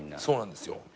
そうなんですよ。